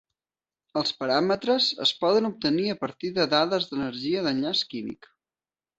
Els paràmetres es poden obtenir a partir de dades d'energia d'enllaç químic.